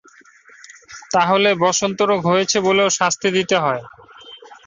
তাহলে বসন্ত রোগ হয়েছে বলেও শাস্তি দিতে হয়।